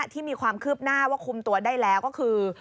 ที่มีความคืบหน้าว่าคุมตัวได้แล้วก็คือ